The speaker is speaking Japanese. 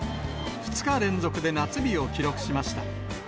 ２日連続で夏日を記録しました。